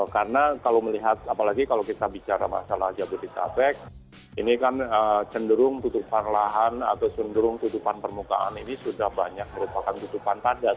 karena kalau melihat apalagi kalau kita bicara masalah jabodetabek ini kan cenderung tutupan lahan atau cenderung tutupan permukaan ini sudah banyak merupakan tutupan padat